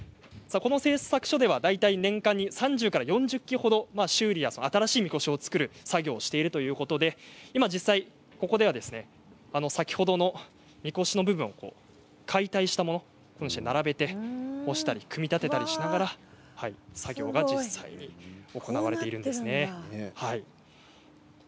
この製作所では年間に３０から４０基ほど修理や新しいみこしを作る作業をしているということで実際ここでは先ほどのみこしの部分を解体したものを並べて組み立てたりしながら作業が実際に行われているんです。